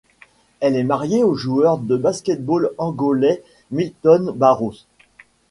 Elle est mariée au joueur de basket-ball angolais Milton Barros.